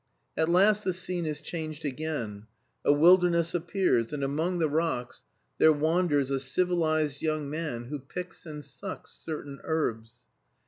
At last the scene is changed again; a wilderness appears, and among the rocks there wanders a civilized young man who picks and sucks certain herbs.